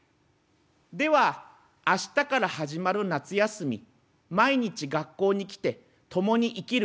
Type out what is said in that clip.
では明日から始まる夏休み毎日学校に来て『共に生きる』